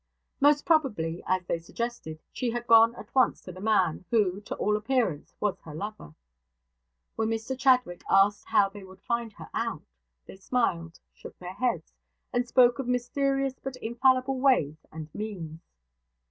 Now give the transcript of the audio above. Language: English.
Most probably, as they suggested, she had gone at once to the man, who, to all appearance, was her lover. When Mr Chadwick asked how they would find her out, they smiled, shook their heads, and spoke of mysterious but infallible ways and means.